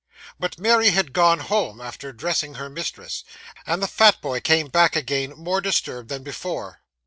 But Mary had gone home after dressing her mistress, and the fat boy came back again more disturbed than before.